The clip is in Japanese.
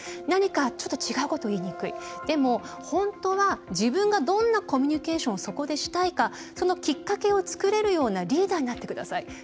何かちょっと違うことを言いにくいでも本当は自分がどんなコミュニケーションをそこでしたいかそのきっかけを作れるようなリーダーになって下さい。